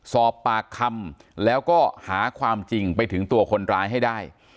สอบปากคำแล้วก็หาความจริงไปถึงตัวคนร้ายให้ได้